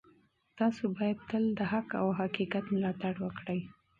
تاسو باید تل د حق او حقیقت ملاتړ وکړئ.